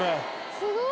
「すごい！」